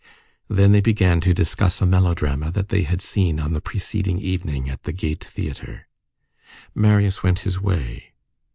Then they began to discuss a melodrama that they had seen on the preceding evening at the Gaîté Theatre. Marius went his way.